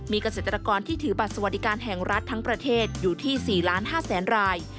มีเกษตรกรที่ถือบัตรสวัสดิการแห่งรัฐทั้งประเทศอยู่ที่๔๕๐๐๐ราย